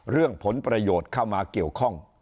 เรื่องผลประโยชน์เข้ามาเกี่ยวข้อง